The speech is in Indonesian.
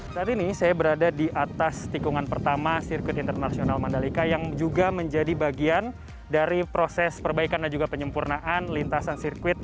saat ini saya berada di atas tikungan pertama sirkuit internasional mandalika yang juga menjadi bagian dari proses perbaikan dan juga penyempurnaan lintasan sirkuit